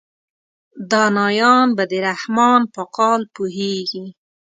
دانایان به د رحمان په قال پوهیږي.